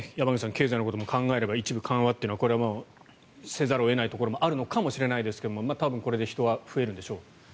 経済のことも考えれば一部緩和というのはこれはせざるを得ないところもあるのかもしれないですが多分これで人は増えるんでしょう。